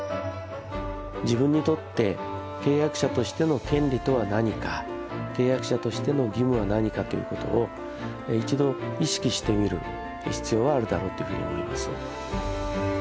自分にとって契約者としての権利とは何か契約者としての義務は何かという事を一度意識してみる必要はあるだろうというふうに思います。